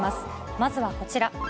まずはこちら。